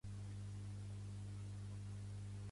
L'Àngels ajuda la tiama a pujar el Ferri cap a dins.